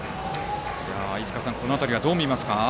飯塚さん、この辺りどう見ますか。